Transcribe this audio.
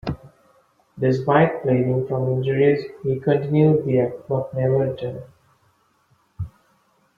Despite bleeding from injuries, he continued the act but never returned.